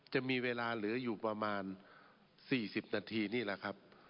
จะมีเวลาเหลืออยู่ประมาณ๔๐นาทีนี่แหละครับ